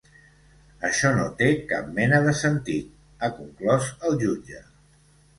Això no té cap mena de sentit, ha conclòs el jutge.